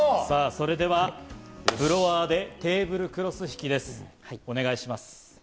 それではブロワーでテーブルクロス引きです、お願いします。